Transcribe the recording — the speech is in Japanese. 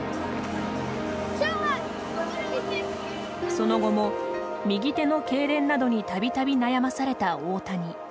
その後も、右手のけいれんなどにたびたび悩まされた大谷。